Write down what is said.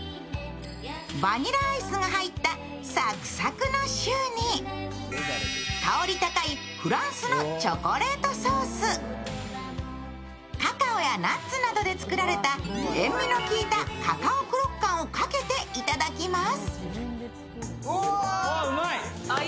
バニラアイスが入ったサクサクのシューに香り高いフランスのチョコレートソースカカオやナッツなどで作られた塩味のきいたカカオクロッカンをかけていただきます。